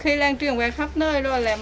khi lan truyền về khắp nơi rồi là